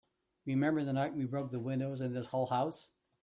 Remember the night we broke the windows in this old house?